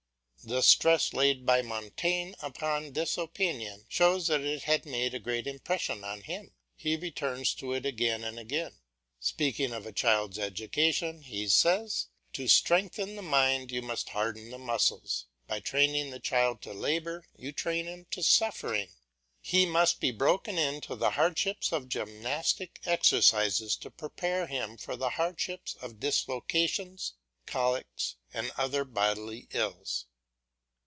The stress laid by Montaigne upon this opinion, shows that it had made a great impression on him; he returns to it again and again. Speaking of a child's education he says, "To strengthen the mind you must harden the muscles; by training the child to labour you train him to suffering; he must be broken in to the hardships of gymnastic exercises to prepare him for the hardships of dislocations, colics, and other bodily ills."